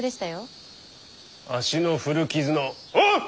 足の古傷のホウ！